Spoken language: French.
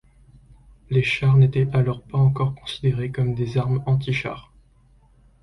Les chars n'étaient alors pas encore considérés comme des armes antichars.